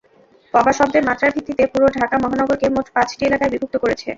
পবা শব্দের মাত্রার ভিত্তিতে পুরো ঢাকা মহানগরকে মোট পাঁচটি এলাকায় বিভক্ত করেছে।